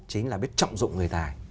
chính là biết trọng dụng người tài